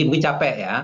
mungkin capek ya